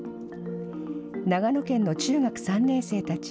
長野県の中学３年生たち